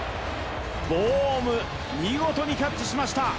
ボーム、見事にキャッチしました。